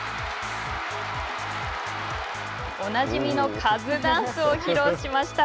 おなじみのカズダンスを披露しました。